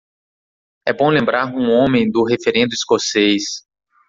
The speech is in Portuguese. É bom lembrar um homem do referendo escocês.